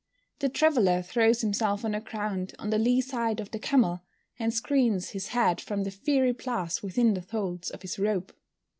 The traveller throws himself on the ground on the lee side of the camel, and screens his head from the fiery blast within the folds of his robe.